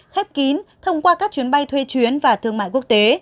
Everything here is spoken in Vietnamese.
khép kín thông qua các chuyến bay thuê chuyến và thương mại quốc tế